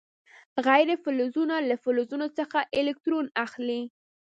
غیر فلزونه له فلزونو څخه الکترون اخلي.